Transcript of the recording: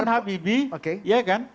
jeman habibie ya kan